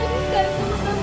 disini sama kamu